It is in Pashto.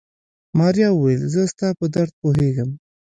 ماريا وويل زه ستا په درد پوهېږم.